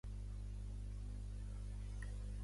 El meu fill es diu Niko: ena, i, ca, o.